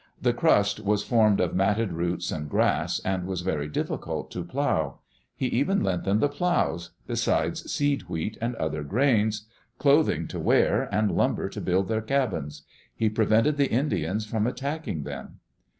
The crust was formed of matted roots and grass, and was very difficult to plow. He even lent them the plows, besides seed wheat and other grains, clothing to wear, and himber to build their cabins. He prevented the Indians ^om attacking them.